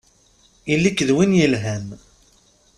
Ili-k d win yelhan!